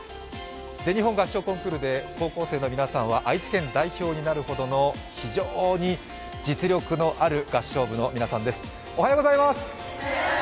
全日本合唱コンクールで高校生の皆さんは愛知県代表になるほど非常に実力のある合唱部の皆さんです。